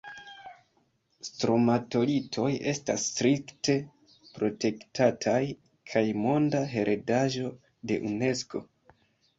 Stromatolitoj estas strikte protektataj kaj Monda heredaĵo de Unesko.